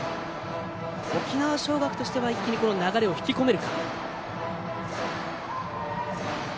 沖縄尚学としては一気に流れを引き込めるか。